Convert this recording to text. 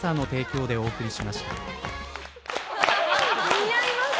似合います。